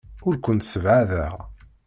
Ur kent-ssebɛadeɣ.